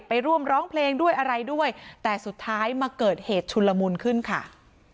ไปร่วมร้องเพลงด้วยอะไรด้วยแต่สุดท้ายมาเกิดเหตุชุนละมุนขึ้นค่ะ